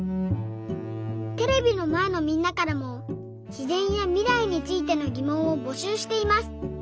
テレビのまえのみんなからもしぜんやみらいについてのぎもんをぼしゅうしています。